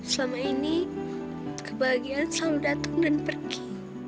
selama ini kebahagiaan selalu datang dan pergi